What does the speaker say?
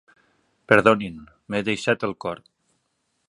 Perdonin, m'he deixat el cor.